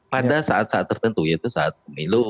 pada saat saat tertentu yaitu saat pemilu